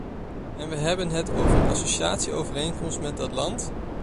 En we hebben het over een associatieovereenkomst met dat land.